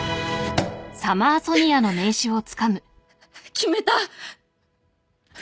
決めた！